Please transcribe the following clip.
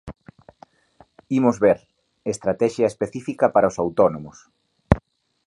Imos ver, estratexia específica para os autónomos.